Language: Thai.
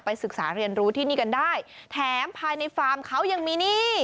ศึกษาเรียนรู้ที่นี่กันได้แถมภายในฟาร์มเขายังมีหนี้